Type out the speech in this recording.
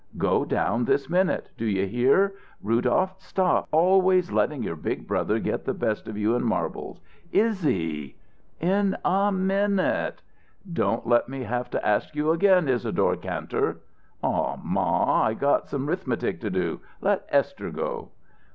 "Go down this minute do you hear? Rudolph, stop always letting your big brother get the best of you in marbles. Iz zy!" "In a minute." "Don't let me have to ask you again, Isadore Kantor!" "Aw, ma; I got some 'rithmetic to do. Let Esther go."